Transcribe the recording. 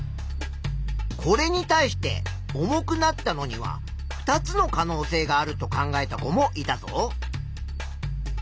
これに対して重くなったのには２つの可能性があると考えた子もいたぞ。